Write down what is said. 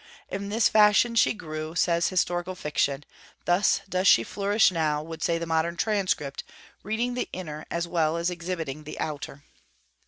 In this fashion she grew, says historical fiction; thus does she flourish now, would say the modern transcript, reading the inner as well as exhibiting the outer.